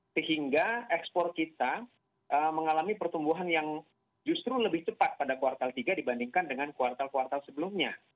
sehingga ekspor kita mengalami pertumbuhan yang justru lebih cepat pada kuartal tiga dibandingkan dengan kuartal kuartal sebelumnya